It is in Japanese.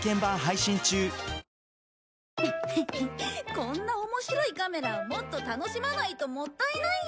こんな面白いカメラもっと楽しまないともったいないよ。